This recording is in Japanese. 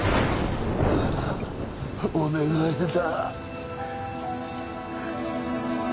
お願いだ。